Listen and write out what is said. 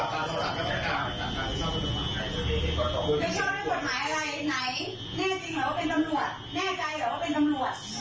ข้อหาเท่านี้มันให้สินคู่แน่สารโรคแน่